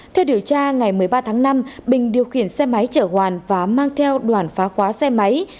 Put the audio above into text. theo điều tra ngày một mươi ba tháng năm bình điều khiển xe máy chở hoàn và mang theo đoàn phá khóa xe máy